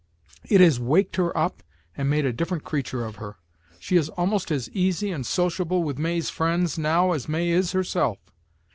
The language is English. It has waked her up and made a different creature of her. She is almost as easy and sociable with May's friends now as May is herself.